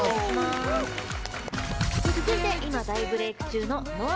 続いて今、大ブレーク中のＮＯＡ。